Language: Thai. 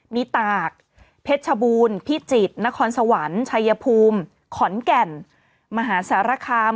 มีตากเพชรชบูรณ์พิจิตรนครสวรรค์ชัยภูมิขอนแก่นมหาสารคาม